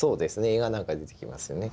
映画なんかで出てきますよね。